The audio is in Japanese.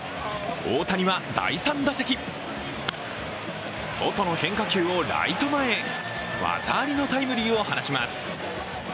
大谷は第３打席外の変化球をライト前へ技ありのタイムリーを放ちます。